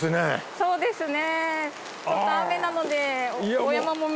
そうですね